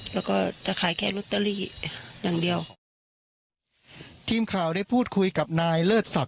แล้วก็จะขายแค่ลอตเตอรี่อย่างเดียวทีมข่าวได้พูดคุยกับนายเลิศศักด